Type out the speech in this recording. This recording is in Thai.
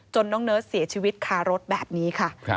น้องเนิร์สเสียชีวิตคารถแบบนี้ค่ะ